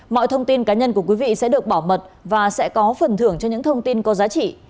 mọi thông tin cá nhân của quý vị sẽ được bảo mật và sẽ có phần thưởng cho những thông tin có giá trị